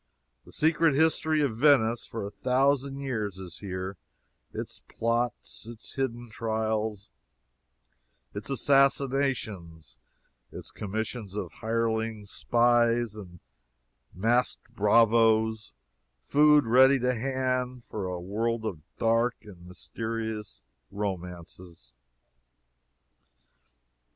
The secret history of Venice for a thousand years is here its plots, its hidden trials, its assassinations, its commissions of hireling spies and masked bravoes food, ready to hand, for a world of dark and mysterious romances.